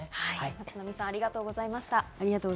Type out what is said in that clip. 松並さん、ありがとうございました。